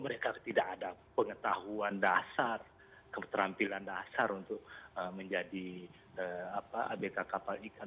mereka tidak ada pengetahuan dasar keterampilan dasar untuk menjadi abk kapal ikan